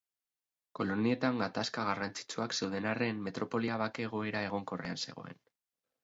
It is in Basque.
Kolonietan gatazka garrantzitsuak zeuden arren, metropolia bake egoera egonkorrean zegoen.